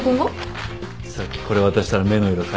さっきこれ渡したら目の色変えてた。